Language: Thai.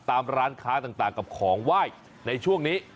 ตามร้านค้าต่างกับของไหว้ในช่วงนี้